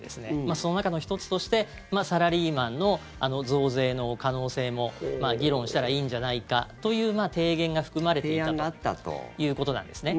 その中の１つとしてサラリーマンの増税の可能性も議論したらいいんじゃないかという提言が含まれていたということなんですね。